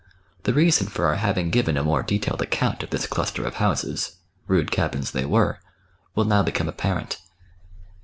The reason for our having given a more detailed account of this cluster of houses — rude cabins they were — vrill now become apparent.